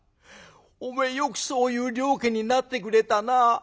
おめえよくそういう了見になってくれたな。